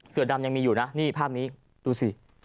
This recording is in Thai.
เสือดำยังมีอยู่นะนี่ภาพนี้ดูสิ